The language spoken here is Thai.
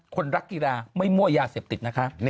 คนรักกีฬาไม่มั่วยาเสพติดนะคะ